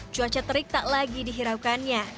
cuaca terik tak lagi dihiraukannya